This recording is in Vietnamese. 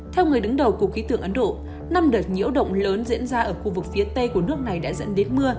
theo người đứng đầu cục khí tượng ấn độ năm đợt nhiễu động lớn diễn ra ở khu vực phía tây của nước này đã dẫn đến mưa